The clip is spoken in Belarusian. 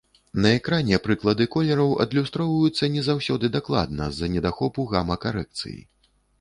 На экране прыклады колераў адлюстроўваюцца не заўсёды дакладна з-за недахопу гама-карэкцыі.